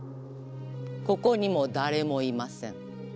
ここにも誰もいません。